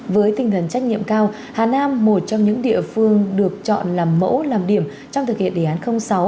với tinh thần trách nhiệm cao hà nam một trong những địa phương được chọn làm mẫu làm điểm trong thực hiện đề án sáu